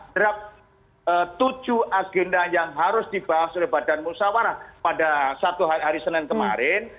draft tujuh agenda yang harus dibahas oleh badan musawarah pada satu hari senin kemarin